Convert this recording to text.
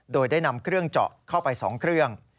โดยได้นำเครื่องเจาะเข้าไป๒เครื่อง